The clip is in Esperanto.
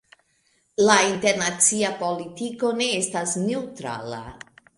La internacia politiko ne estas neŭtrala.